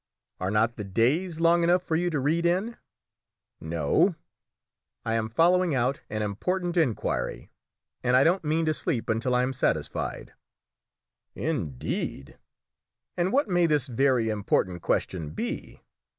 "Are not the days long enough for you to read in?" "No; I am following out an important inquiry, and I don't mean to sleep until I am satisfied." "Indeed; and what may this very important question be?"